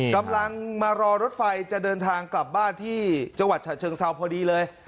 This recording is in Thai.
กำลังมารอรถไฟจะเดินทางกลับบ้านที่จังหวัดฉะเชิงเซาพอดีเลย